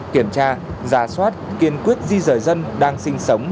kiểm tra giả soát kiên quyết di rời dân đang sinh sống